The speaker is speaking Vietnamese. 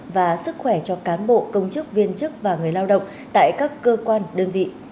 và sức khỏe cho cán bộ công chức viên chức và người lao động tại các cơ quan đơn vị